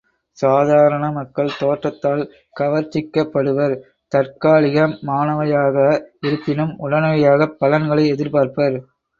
சாதாரண மக்கள் தோற்றத்தால் கவர்ச்சிக்கப்படுவர், தற்காலிகமானவையாக இருப்பினும் உடனடியாகப் பலன்களை எதிர்பார்ப்பர்.